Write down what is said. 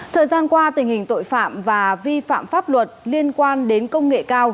thời gian qua tình hình tội phạm và vi phạm pháp luật liên quan đến công nghệ cao